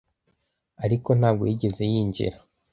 ariko ntabwo yigeze yinjira.